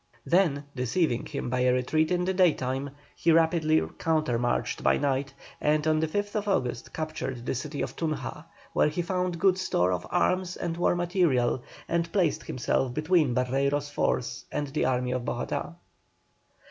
Then, deceiving him by a retreat in the daytime, he rapidly countermarched by night, and on the 5th August captured the city of Tunja, where he found good store of arms and war material, and placed himself between Barreiro's force and the army of Bogotá.